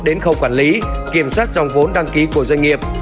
đến khâu quản lý kiểm soát dòng vốn đăng ký của doanh nghiệp